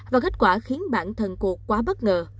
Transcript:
và kết quả khiến bản thân cuộc quá bất ngờ